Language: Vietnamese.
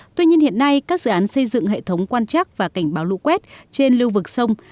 tuy nhiên hiện nay các dự án xây dựng hệ thống quan trắc và cảnh báo lũ quét trên lưu vực sông